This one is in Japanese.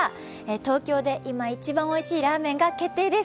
東京で今一番おいしいラーメンが決定です。